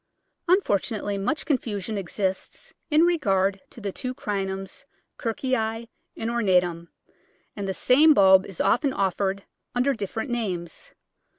Unfortunately much confusion exists in regard to the two Crinums, Kirkii and ornatum, and the same bulb is often offered under different names.